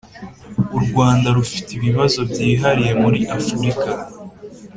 u rwanda rufite ibibazo byihariye muri afurika;